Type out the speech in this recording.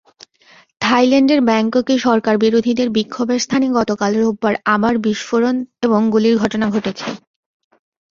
থাইল্যান্ডের ব্যাংককে সরকারবিরোধীদের বিক্ষোভের স্থানে গতকাল রোববার আবার বিস্ফোরণ এবং গুলির ঘটনা ঘটেছে।